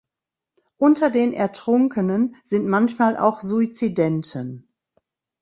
Unter den Ertrunkenen sind manchmal auch Suizidenten.